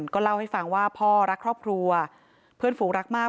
ก็เล่าให้ฟังว่าพ่อรักครอบครัวเพื่อนฝูงรักมาก